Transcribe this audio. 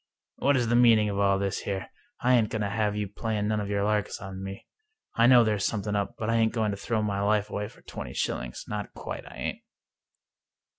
"What is the meaning of all this here? I ain't going to have you playing none of your larks on me. I know there's something up, but I ain't going to throw my life away for twenty shillings— not quite I ain't."